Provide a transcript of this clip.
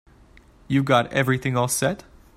You've got everything all set?